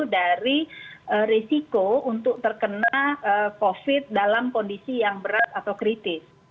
dari risiko untuk terkena covid dalam kondisi yang berat atau kritis